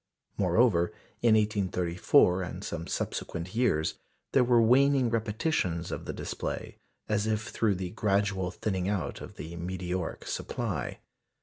Moreover, in 1834 and some subsequent years, there were waning repetitions of the display, as if through the gradual thinning out of the meteoric supply.